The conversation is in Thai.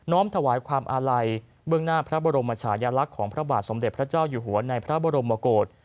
ถวายความอาลัยเบื้องหน้าพระบรมชายลักษณ์ของพระบาทสมเด็จพระเจ้าอยู่หัวในพระบรมกฏ